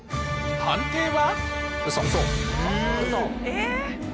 判定は？